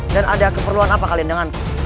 dan ada keperluan apa kalian dengan